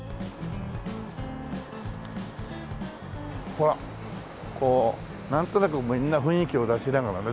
ほらこうなんとなくみんな雰囲気を出しながらね。